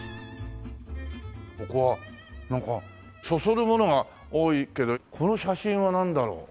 ここはなんかそそるものが多いけどこの写真はなんだろう？